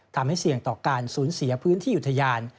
ทำให้เสี่ยงต่อการสูญเสียพื้นที่อุทยาน